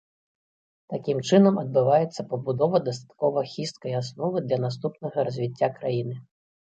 Такім чынам адбываецца пабудова дастаткова хісткай асновы для наступнага развіцця краіны.